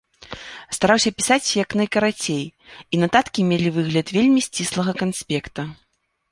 Стараўся пісаць як найкарацей, і нататкі мелі выгляд вельмі сціслага канспекта.